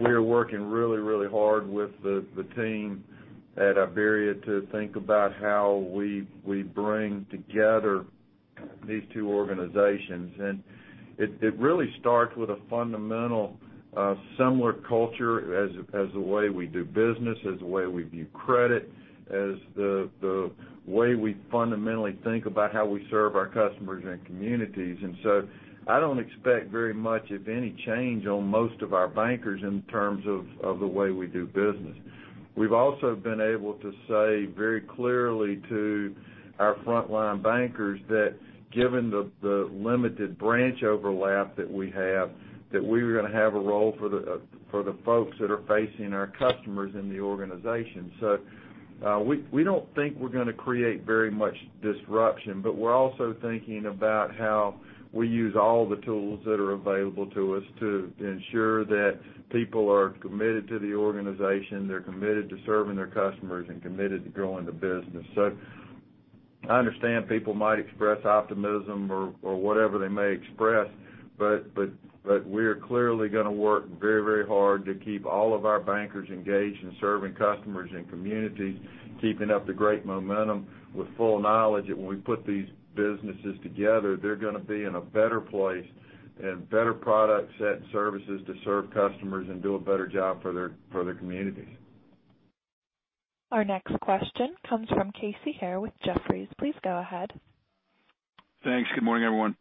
We are working really hard with the team at Iberia to think about how we bring together these two organizations. It really starts with a fundamental, similar culture as the way we do business, as the way we view credit, as the way we fundamentally think about how we serve our customers and communities. I don't expect very much, if any, change on most of our bankers in terms of the way we do business. We've also been able to say very clearly to our frontline bankers that given the limited branch overlap that we have, that we were going to have a role for the folks that are facing our customers in the organization. We don't think we're going to create very much disruption, but we're also thinking about how we use all the tools that are available to us to ensure that people are committed to the organization, they're committed to serving their customers, and committed to growing the business. I understand people might express optimism or whatever they may express, but we're clearly going to work very hard to keep all of our bankers engaged in serving customers and communities, keeping up the great momentum with full knowledge that when we put these businesses together, they're going to be in a better place and better product set and services to serve customers and do a better job for their communities. Our next question comes from Casey Haire with Jefferies. Please go ahead. Thanks. Good morning, everyone.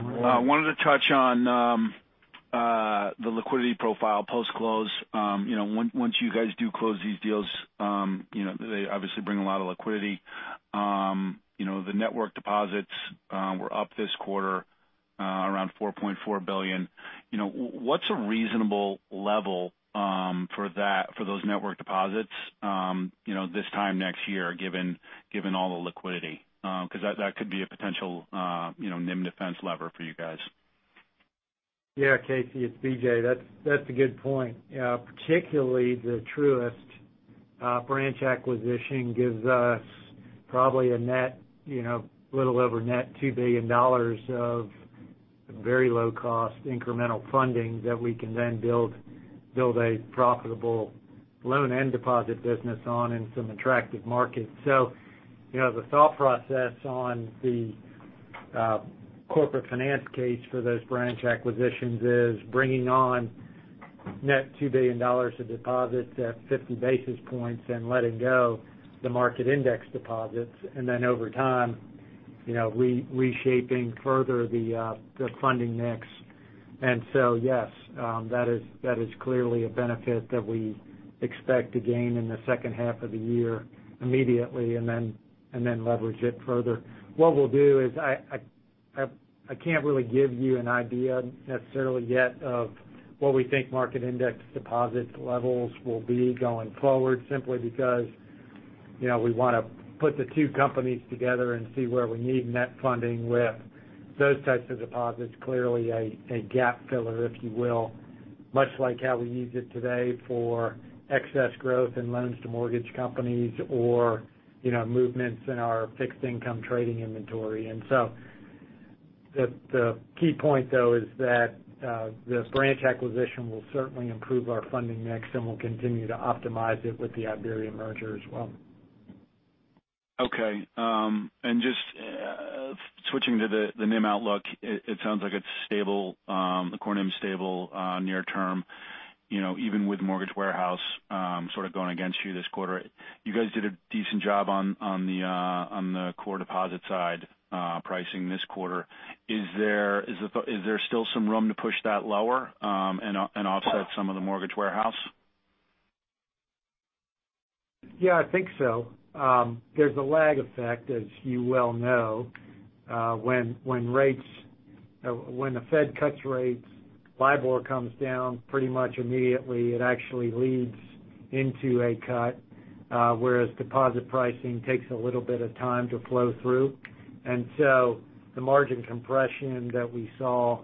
Good morning. Wanted to touch on the liquidity profile post-close. Once you guys do close these deals, they obviously bring a lot of liquidity. The network deposits were up this quarter around $4.4 billion. What's a reasonable level for those network deposits this time next year, given all the liquidity? That could be a potential NIM defense lever for you guys. Yeah, Casey, it's BJ. That's a good point. Particularly the Truist branch acquisition gives us probably a little over net $2 billion of very low-cost incremental funding that we can then build a profitable loan and deposit business on in some attractive markets. The thought process on the corporate finance case for those branch acquisitions is bringing on net $2 billion of deposits at 50 basis points and letting go the market index deposits. Over time, reshaping further the funding mix. Yes, that is clearly a benefit that we expect to gain in the second half of the year immediately, and then leverage it further. What we'll do is, I can't really give you an idea necessarily yet of what we think market index deposits levels will be going forward, simply because we want to put the two companies together and see where we need net funding with those types of deposits. Clearly a gap filler, if you will. Much like how we use it today for excess growth in loans to mortgage companies or movements in our fixed income trading inventory. The key point, though, is that the branch acquisition will certainly improve our funding mix, and we'll continue to optimize it with the Iberia merger as well. Okay. Just switching to the NIM outlook, it sounds like it's stable, the core NIM's stable near term even with Mortgage Warehouse sort of going against you this quarter. You guys did a decent job on the core deposit side pricing this quarter. Is there still some room to push that lower and offset some of the Mortgage Warehouse? Yeah, I think so. There's a lag effect, as you well know. When the Fed cuts rates, LIBOR comes down pretty much immediately. It actually leads into a cut, whereas deposit pricing takes a little bit of time to flow through. The margin compression that we saw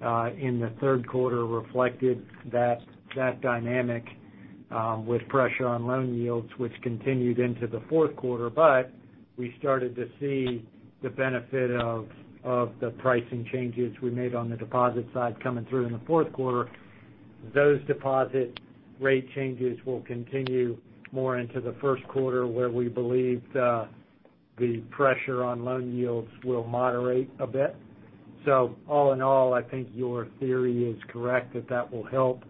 in the third quarter reflected that dynamic with pressure on loan yields, which continued into the fourth quarter. We started to see the benefit of the pricing changes we made on the deposit side coming through in the fourth quarter. Those deposit rate changes will continue more into the first quarter, where we believe the pressure on loan yields will moderate a bit. All in all, I think your theory is correct that that will help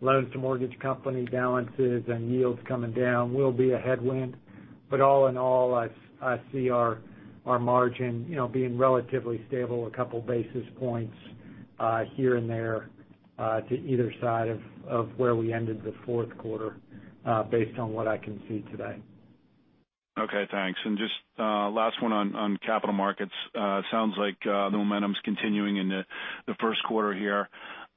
loans to mortgage companies balances, and yields coming down will be a headwind. All in all, I see our margin being relatively stable, a couple basis points here and there to either side of where we ended the fourth quarter, based on what I can see today. Okay, thanks. Just last one on capital markets. Sounds like the momentum's continuing into the first quarter here.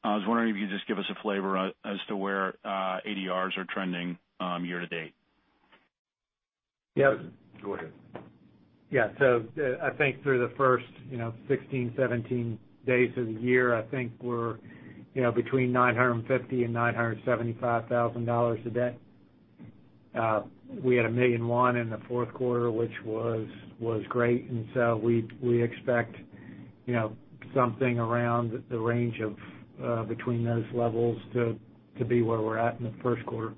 I was wondering if you could just give us a flavor as to where ADRs are trending year to date. Yep. Go ahead. Yeah. I think through the first 16, 17 days of the year, I think we're between $950,000 and $975,000 a day. We had $1.1 million in the fourth quarter, which was great. We expect something around the range of between those levels to be where we're at in the first quarter.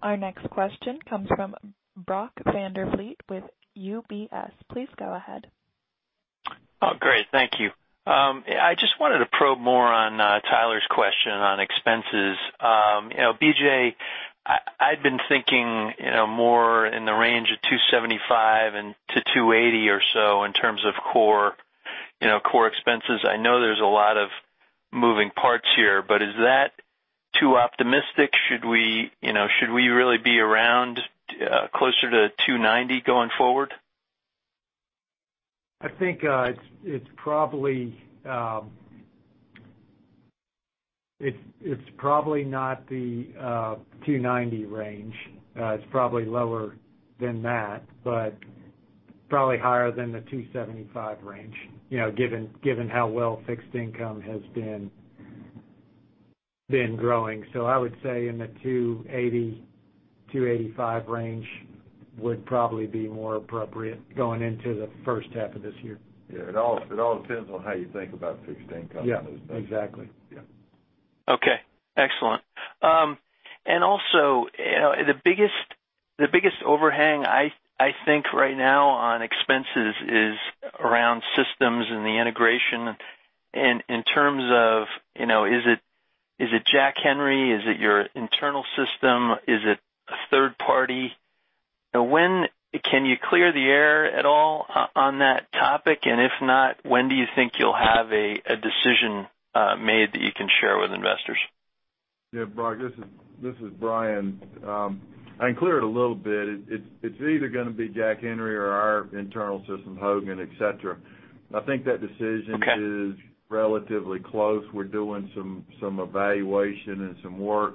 Our next question comes from Brock Vandervliet with UBS. Please go ahead. Oh, great. Thank you. I just wanted to probe more on Tyler's question on expenses. BJ, I'd been thinking more in the range of $275 to $280 or so in terms of core expenses. I know there's a lot of moving parts here, is that too optimistic? Should we really be around closer to $290 going forward? I think it's probably not the 290 range. It's probably lower than that, but probably higher than the 275 range given how well fixed income has been growing. I would say in the 280-285 range would probably be more appropriate going into the first half of this year. Yeah. It all depends on how you think about fixed income these days. Yeah. Exactly. Yeah. Okay. Excellent. Also, the biggest overhang, I think right now on expenses is around systems and the integration. In terms of, is it Jack Henry? Is it your internal system? Is it a third party? Can you clear the air at all on that topic? If not, when do you think you'll have a decision made that you can share with investors? Yeah, Brock, this is Bryan. I can clear it a little bit. It's either going to be Jack Henry or our internal system, Hogan, et cetera. Okay is relatively close. We're doing some evaluation and some work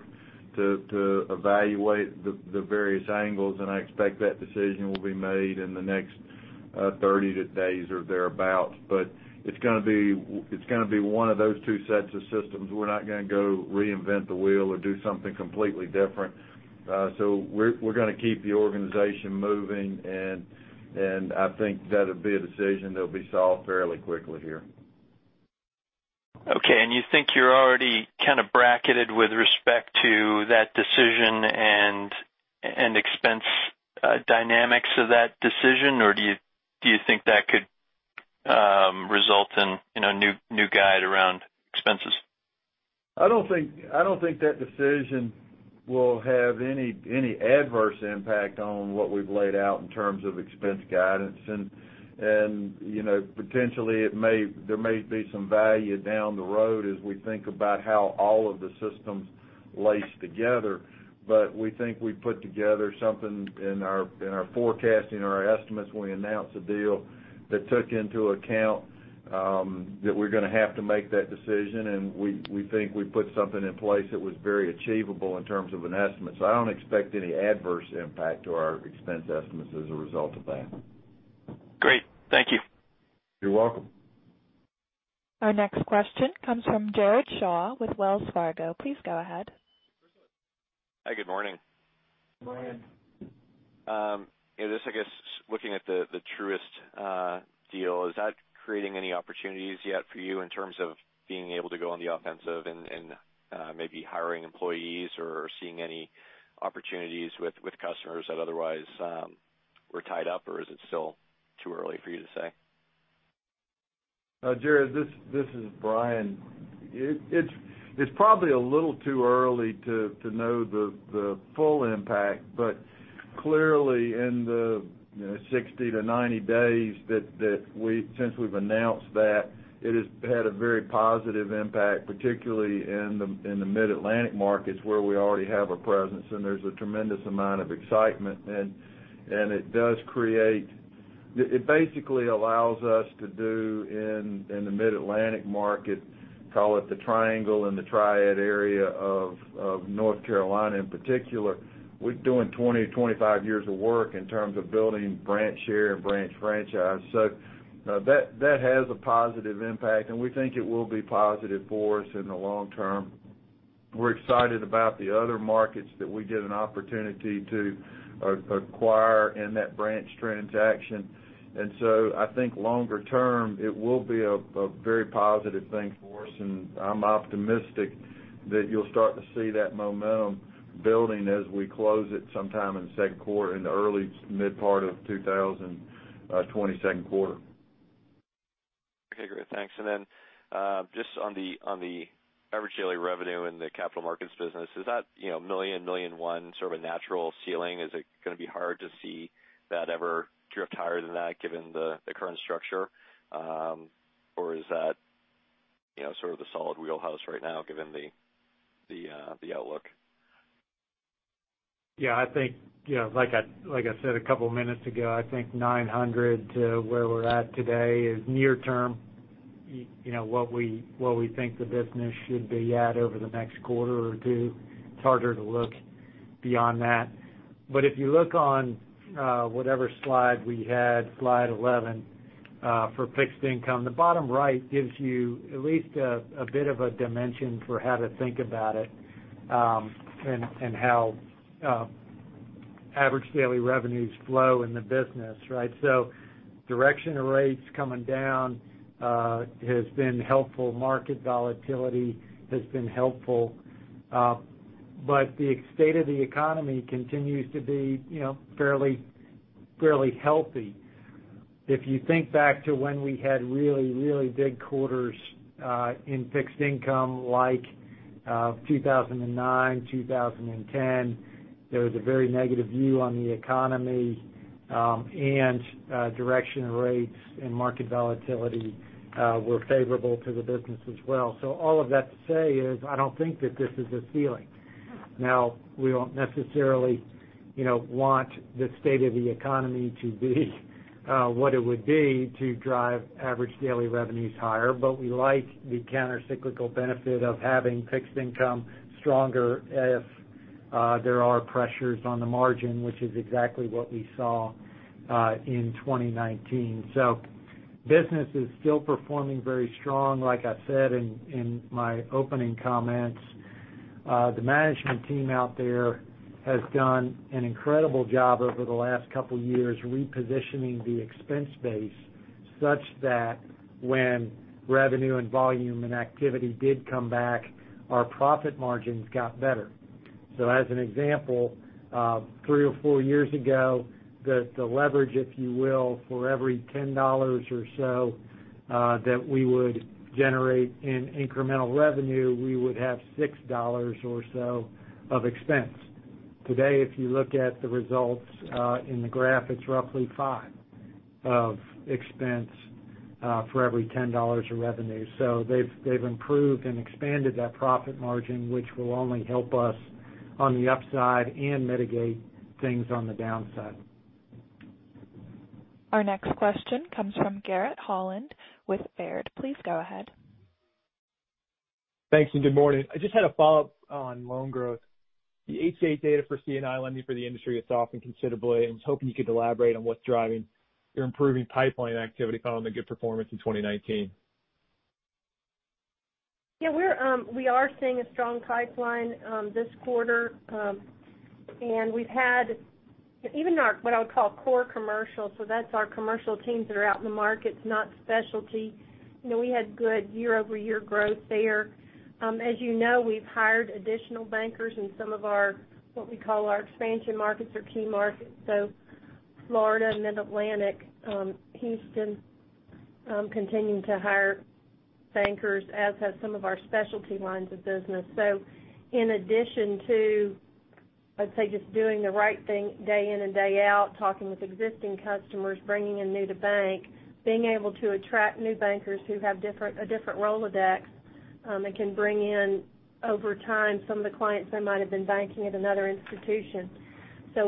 to evaluate the various angles. I expect that decision will be made in the next 30 days or thereabout. It's going to be one of those two sets of systems. We're not going to go reinvent the wheel or do something completely different. We're going to keep the organization moving, and I think that'll be a decision that'll be solved fairly quickly here. Okay. You think you're already kind of bracketed with respect to that decision and expense dynamics of that decision, or do you think that could result in a new guide around expenses? I don't think that decision will have any adverse impact on what we've laid out in terms of expense guidance. Potentially, there may be some value down the road as we think about how all of the systems lace together. We think we put together something in our forecasting or our estimates when we announced the deal that took into account, that we're going to have to make that decision, and we think we put something in place that was very achievable in terms of an estimate. I don't expect any adverse impact to our expense estimates as a result of that. Great. Thank you. You're welcome. Our next question comes from Jared Shaw with Wells Fargo. Please go ahead. Hi, good morning. Good morning. I guess, looking at the Truist deal, is that creating any opportunities yet for you in terms of being able to go on the offensive and maybe hiring employees or seeing any opportunities with customers that otherwise were tied up, or is it still too early for you to say? Jared, this is Bryan. It's probably a little too early to know the full impact. Clearly, in the 60 to 90 days since we've announced that, it has had a very positive impact, particularly in the Mid-Atlantic markets where we already have a presence, and there's a tremendous amount of excitement. It basically allows us to do in the Mid-Atlantic market, call it the triangle and the triad area of North Carolina, in particular, we're doing 20 to 25 years of work in terms of building branch share and branch franchise. That has a positive impact, and we think it will be positive for us in the long term. We're excited about the other markets that we get an opportunity to acquire in that branch transaction. I think longer term, it will be a very positive thing for us, and I'm optimistic that you'll start to see that momentum building as we close it sometime in the early mid-part of 2020 second quarter. Okay, great. Thanks. Just on the average daily revenue in the capital markets business, is that a million and one sort of a natural ceiling? Is it going to be hard to see that ever drift higher than that given the current structure? Or is that sort of the solid wheelhouse right now given the outlook? Yeah, like I said a couple of minutes ago, I think 900 to where we're at today is near term, what we think the business should be at over the next quarter or two. It's harder to look beyond that. If you look on whatever slide we had, slide 11, for fixed income, the bottom right gives you at least a bit of a dimension for how to think about it, and how average daily revenues flow in the business, right? Direction of rates coming down has been helpful. Market volatility has been helpful. The state of the economy continues to be fairly healthy. If you think back to when we had really, really big quarters in fixed income, like 2009, 2010, there was a very negative view on the economy, and direction of rates and market volatility were favorable to the business as well. All of that to say is, I don't think that this is a ceiling. We don't necessarily want the state of the economy to be what it would be to drive average daily revenues higher, but we like the countercyclical benefit of having fixed income stronger if there are pressures on the margin, which is exactly what we saw in 2019. Business is still performing very strong, like I said in my opening comments. The management team out there has done an incredible job over the last couple of years repositioning the expense base such that when revenue and volume and activity did come back, our profit margins got better. As an example, three or four years ago, the leverage, if you will, for every $10 or so that we would generate in incremental revenue, we would have $6 or so of expense. Today, if you look at the results in the graph, it's roughly five. Of expense for every $10 of revenue. They've improved and expanded that profit margin, which will only help us on the upside and mitigate things on the downside. Our next question comes from Garrett Holland with Baird. Please go ahead. Thanks. Good morning. I just had a follow-up on loan growth. The H8 data for C&I lending for the industry has softened considerably, and was hoping you could elaborate on what's driving your improving pipeline activity following the good performance in 2019. Yeah, we are seeing a strong pipeline this quarter. We've had even our, what I would call, core commercial, so that's our commercial teams that are out in the markets, not specialty. We had good year-over-year growth there. As you know, we've hired additional bankers in some of our, what we call our expansion markets or key markets. Florida, Mid-Atlantic, Houston, continuing to hire bankers, as have some of our specialty lines of business. In addition to, I'd say, just doing the right thing day in and day out, talking with existing customers, bringing in new-to-bank, being able to attract new bankers who have a different Rolodex, that can bring in, over time, some of the clients that might have been banking at another institution.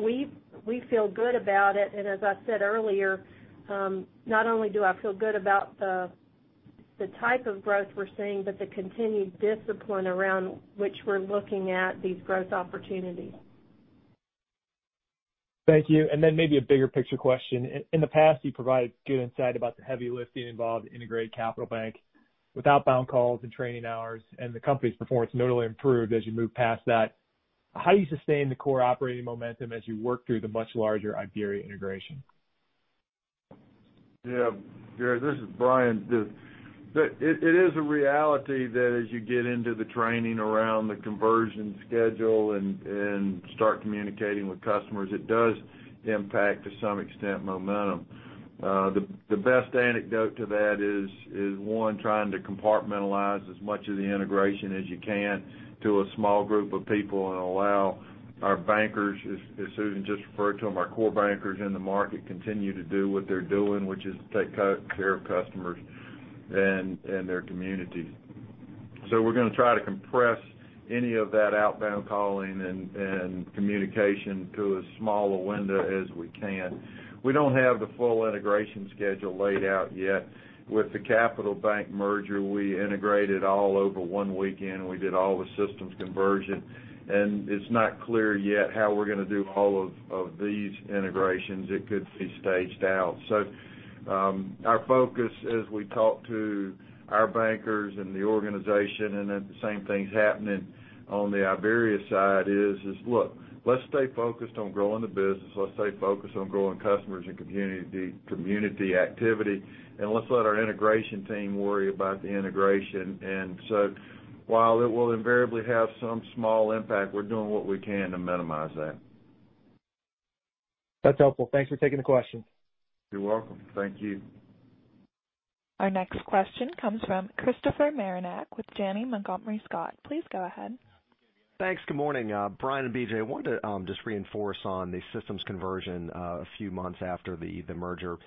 We feel good about it. As I said earlier, not only do I feel good about the type of growth we're seeing, but the continued discipline around which we're looking at these growth opportunities. Thank you. Maybe a bigger picture question. In the past, you provided good insight about the heavy lifting involved in a great Capital Bank with outbound calls and training hours, and the company's performance notably improved as you move past that. How do you sustain the core operating momentum as you work through the much larger Iberia integration? Yeah. Garrett, this is Bryan. It is a reality that as you get into the training around the conversion schedule and start communicating with customers, it does impact, to some extent, momentum. The best anecdote to that is, one, trying to compartmentalize as much of the integration as you can to a small group of people and allow our bankers, as Susan just referred to them, our core bankers in the market, continue to do what they're doing, which is take care of customers and their communities. We're going to try to compress any of that outbound calling and communication to as small a window as we can. We don't have the full integration schedule laid out yet. With the Capital Bank merger, we integrated all over one weekend, and we did all the systems conversion. It's not clear yet how we're going to do all of these integrations. It could be staged out. Our focus as we talk to our bankers and the organization, and then the same thing's happening on the Iberia side, is, look, let's stay focused on growing the business, let's stay focused on growing customers and community activity, and let's let our integration team worry about the integration. While it will invariably have some small impact, we're doing what we can to minimize that. That's helpful. Thanks for taking the question. You're welcome. Thank you. Our next question comes from Chris Marinac with Janney Montgomery Scott. Please go ahead. Thanks. Good morning. Bryan and BJ, I wanted to just reinforce on the systems conversion a few months after the merger.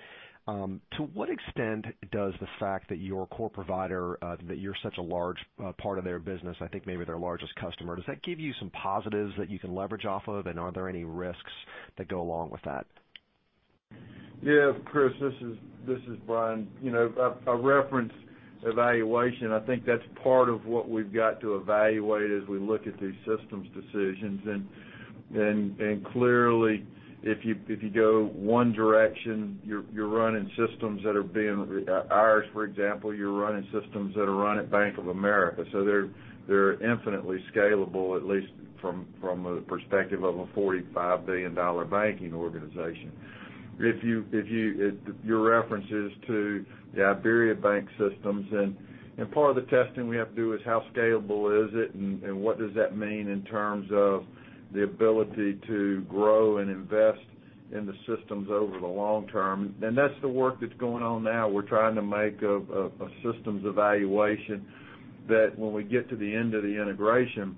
To what extent does the fact that your core provider, that you're such a large part of their business, I think maybe their largest customer, does that give you some positives that you can leverage off of? Are there any risks that go along with that? Yeah, Chris, this is Bryan. A reference evaluation, I think that's part of what we've got to evaluate as we look at these systems decisions. Clearly, if you go one direction, you're running systems that are being, ours, for example, you're running systems that are run at Bank of America. They're infinitely scalable, at least from a perspective of a $45 billion banking organization. If your reference is to the IBERIABANK systems, then part of the testing we have to do is how scalable is it, and what does that mean in terms of the ability to grow and invest in the systems over the long term. That's the work that's going on now. We're trying to make a systems evaluation that when we get to the end of the integration,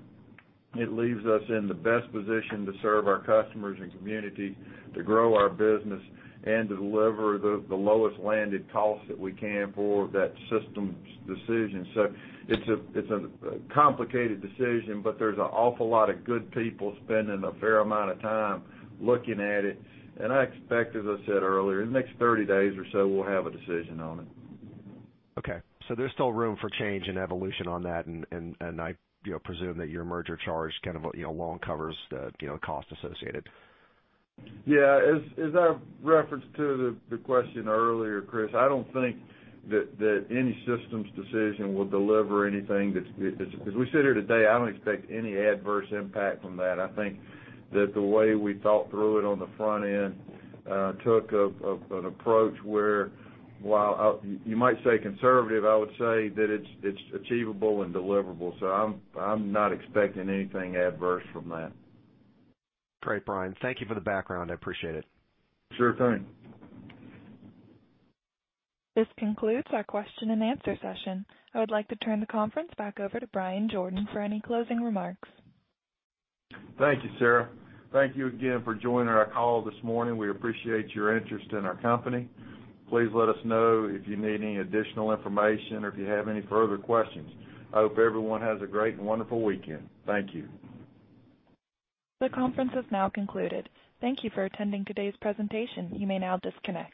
it leaves us in the best position to serve our customers and community, to grow our business, and to deliver the lowest landed cost that we can for that systems decision. It's a complicated decision, but there's an awful lot of good people spending a fair amount of time looking at it. I expect, as I said earlier, in the next 30 days or so, we'll have a decision on it. Okay. There's still room for change and evolution on that, and I presume that your merger charge kind of long covers the cost associated. Yeah. As I referenced to the question earlier, Chris, I don't think that any systems decision will deliver anything. As we sit here today, I don't expect any adverse impact from that. I think that the way we thought through it on the front end took an approach where while you might say conservative, I would say that it's achievable and deliverable. I'm not expecting anything adverse from that. Great, Bryan. Thank you for the background. I appreciate it. Sure thing. This concludes our question and answer session. I would like to turn the conference back over to Bryan Jordan for any closing remarks. Thank you, Sarah. Thank you again for joining our call this morning. We appreciate your interest in our company. Please let us know if you need any additional information or if you have any further questions. I hope everyone has a great and wonderful weekend. Thank you. The conference has now concluded. Thank you for attending today's presentation. You may now disconnect.